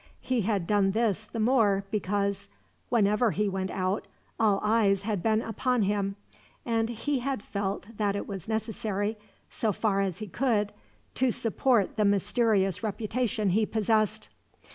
He had done this the more because, whenever he went out, all eyes had been upon him, and he had felt that it was necessary, so far as he could, to support the mysterious reputation he possessed.